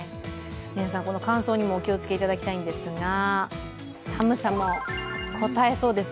皆さん、乾燥にもお気をつけいただきたいんですが寒さもこたえそうですよ。